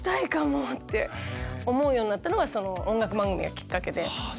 思うようになったのはその音楽番組がきっかけで。